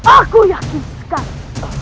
aku yakin sekali